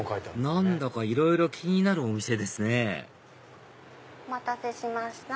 何だかいろいろ気になるお店ですねお待たせしました。